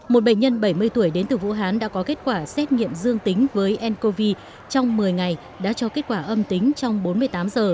một bệnh nhân bảy mươi tuổi đến từ vũ hán đã có kết quả xét nghiệm dương tính với ncov trong một mươi ngày đã cho kết quả âm tính trong bốn mươi tám giờ